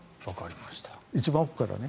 一番奥からね。